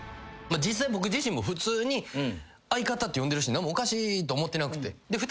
実際僕自身も普通に「相方」って呼んでるし何もおかしいと思ってなくて。